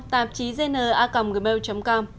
tạp chí gnacomgmail com